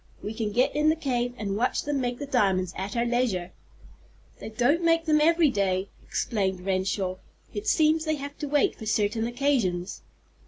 We can get in the cave, and watch them make the diamonds at our leisure." "They don't make them every day," explained Renshaw. "It seems they have to wait for certain occasions.